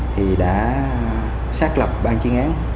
thì đã sát lập ban chuyên án